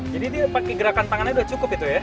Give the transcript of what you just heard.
jadi ini pakai gerakan tangannya udah cukup itu ya